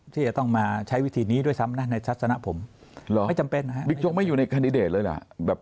ที่จะต้องมาใช้วิธีนี้ด้วยซ้ำนะในทัศนะผมไม่จำเป็นฮะบิ๊กยกไม่อยู่ในคันดิเดตเลยเหรอ